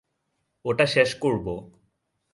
ওটা শেষ করব।